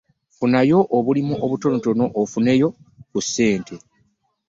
Funayo obulimo obutonotono ofuneyo ku kasente.